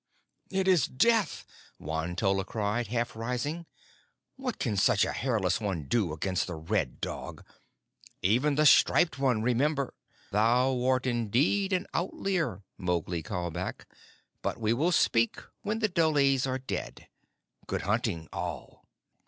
"It is death!" Won tolla cried, half rising. "What can such a hairless one do against the Red Dog? Even the Striped One, remember " "Thou art indeed an Outlier," Mowgli called back; "but we will speak when the dholes are dead. Good hunting all!"